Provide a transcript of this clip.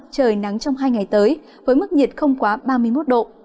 trời nắng trong hai ngày tới với mức nhiệt không quá ba mươi một độ